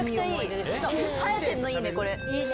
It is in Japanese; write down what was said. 晴れてるのいいねこれ。